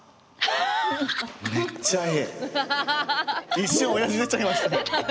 一瞬おやじ出ちゃいましたね。